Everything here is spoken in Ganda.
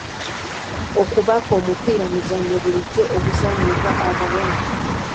Okubaka omupiira muzannyo bulijjo oguzannyibwa abawala.